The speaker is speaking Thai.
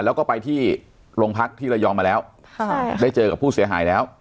แล้วก็ไปที่โรงพักที่ระยองมาแล้วได้เจอกับผู้เสียหายแล้ว